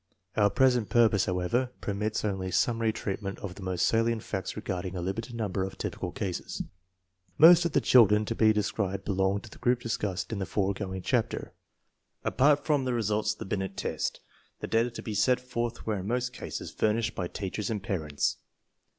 Our present purpose, however, permits only summary treatment of the most salient facts regarding a limited number of typical cases. Most of the children to be described belong to the group discussed in the foregoing chapter. Apart from the results of the Binet test, the data to be set forth were in most cases furnished by teachers and parents.